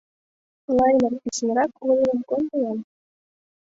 Лаймыр, писынрак олымым кондо-ян!